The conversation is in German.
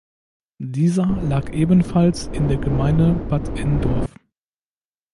Dieser lag ebenfalls in der Gemeinde Bad Endorf.